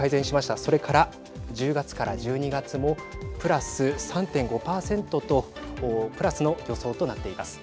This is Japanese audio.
それから１０月から１２月もプラス３．５％とプラスの予想となっています。